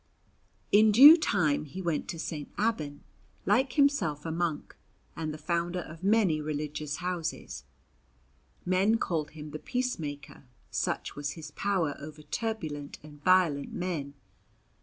In due time he went to St. Abban, like himself a monk, and the founder of many religious houses. Men called him the "Peacemaker," such was his power over turbulent and violent men.